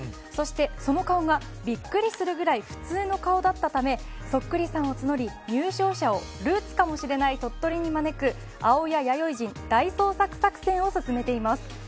そして、その顔がびっくりするぐらい普通の顔だったためそっくりさんを募り入賞者をルーツかもしれない鳥取に招く、青谷弥生人大捜索作戦を進めています。